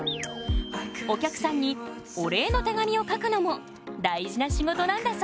お客さんにお礼の手紙を書くのも大事な仕事なんだそう。